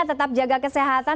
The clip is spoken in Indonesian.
tetap jaga kesehatan